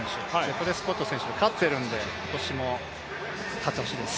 プリスゴッド選手に勝っているので今年も勝ってほしいです。